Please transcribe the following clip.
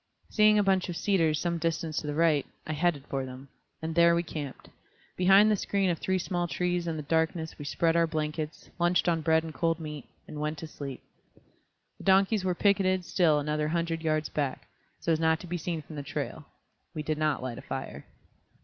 Seeing a bunch of cedars some distance to the right, I headed for them. And there we camped. Behind the screen of three small trees and the darkness we spread our blankets, lunched on bread and cold meat, and went to sleep. The donkeys were picketed still another hundred yards back, so as not to be seen from the trail; we did not light a fire.